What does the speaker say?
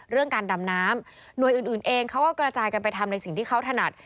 เรื่องการดำน้ำหน่วยอื่นเองเขาก็กระจายกันไปทำในสิ่งที่เขาถนัด